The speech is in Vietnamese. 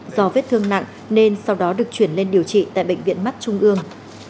do vết thương nặng nên sau đó được chuyển lên điều trị tại bệnh viện mắt trung ương